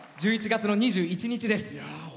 １１月の２１日です。